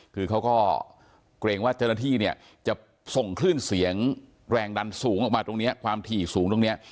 คือเขาก็เกรงว่าเจ้าหน้าที่เนี่ยจะส่งคลื่นเสียงแรงดันสูงออกมาตรงนี้ความถี่สูงตรงนี้